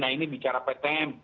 nah ini bicara ptm